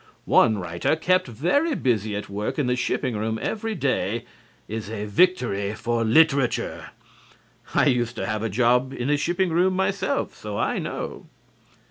One writer kept very busy at work in the shipping room every day is a victory for literature. I used to have a job in a shipping room myself, so I know.